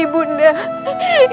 ibu bunda disini nak